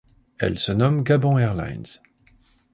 Elle se nomme Gabon Airlines.